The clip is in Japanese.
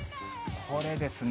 これですね。